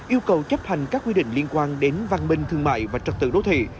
yêu cầu chấp hành các quy định liên quan đến văn minh thương mại và trật tự đô thị